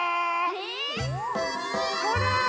ほら。